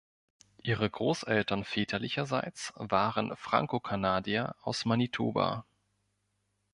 Ihre Großeltern väterlicherseits waren Frankokanadier aus Manitoba.